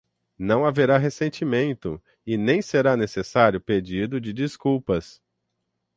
Não haverá ressentimento e nem será necessário pedido de desculpas